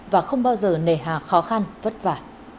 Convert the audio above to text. và không bao giờ nề hà khó khăn vất vả